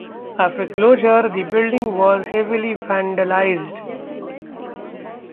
After closure, the building was heavily vandalised.